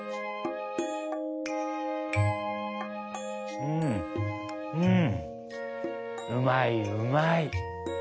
「うんうんうまいうまい」。